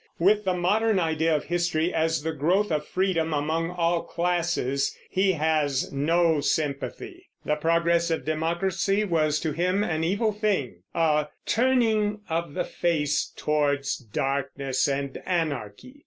With the modern idea of history, as the growth of freedom among all classes, he has no sympathy. The progress of democracy was to him an evil thing, a "turning of the face towards darkness and anarchy."